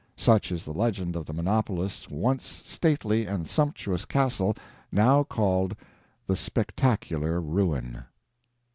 Such is the legend of the monopolist's once stately and sumptuous castle, now called the "Spectacular Ruin."